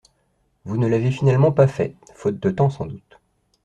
Vous ne l’avez finalement pas fait – faute de temps, sans doute.